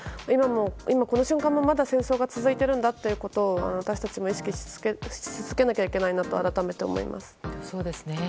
今、この瞬間もまだ戦争が続いているということを私たちも意識し続けなければいけないと改めて思います。